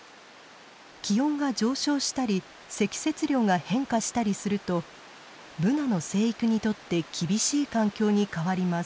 気温が上昇したり積雪量が変化したりするとブナの生育にとって厳しい環境に変わります。